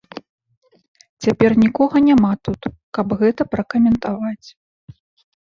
Цяпер нікога няма тут, каб гэта пракаментаваць.